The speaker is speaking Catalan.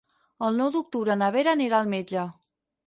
El nou d'octubre na Vera anirà al metge.